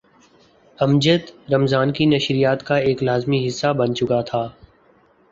امجد رمضان کی نشریات کا ایک لازمی حصہ بن چکا تھا۔